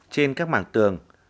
trên các mảng tường